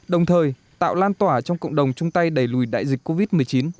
đồng thời tạo lan tỏa trong cộng đồng chung tay đẩy lùi đại dịch covid một mươi chín